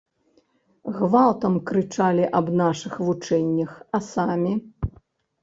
Гвалтам крычалі аб нашых вучэннях, а самі?